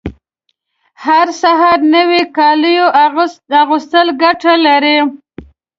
هر سهار نوي کالیو اغوستل ګټه لري